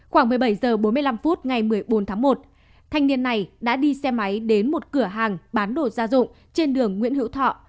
khoảng một mươi bảy h bốn mươi năm phút ngày một mươi bốn tháng một thanh niên này đã đi xe máy đến một cửa hàng bán đồ gia dụng trên đường nguyễn hữu thọ